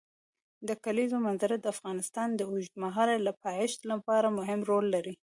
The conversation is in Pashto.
د کلیزو منظره د افغانستان د اوږدمهاله پایښت لپاره مهم رول لري.